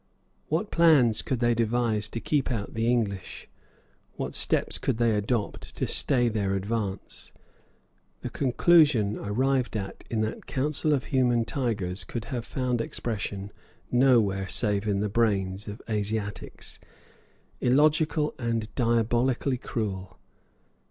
What plans could they devise to keep out the English? what steps could they adopt to stay their advance. The conclusion arrived at in that council of human tigers could have found expression nowhere save in the brains of Asiatics, illogical, and diabolically cruel.